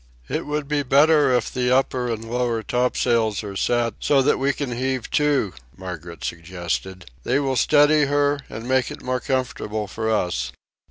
"It would be better if the upper and lower top sails are set so that we can heave to," Margaret suggested. "They will steady her and make it more comfortable for us."